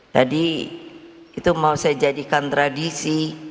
jadi itu mau saya jadikan tradisi